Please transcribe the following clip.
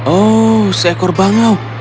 oh seekor bangau